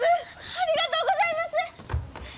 ありがとうございます！